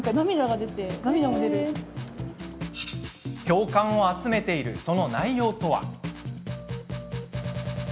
共感を集めている、その内容とは。